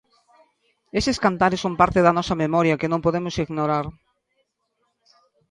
Eses cantares son parte da nosa memoria, que non podemos ignorar.